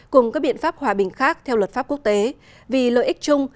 cùng các biện pháp hòa bình khác theo luật pháp quốc tế vì lợi ích chung